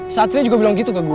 satria juga bilang gitu gak gue